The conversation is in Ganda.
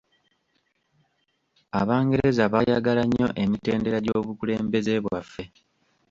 Abangereza baayagala nnyo emitendera gy'obukulembeze bwaffe.